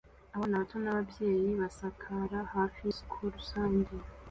Abana bato n'ababyeyi basakara hafi yisoko rusange